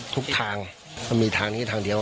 ทุกทางมันมีทางนี้ทางเดียว